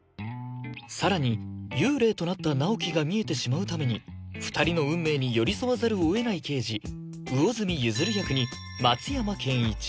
さらに幽霊となった直木が見えてしまうために２人の運命に寄り添わざるをえない刑事魚住譲役に松山ケンイチ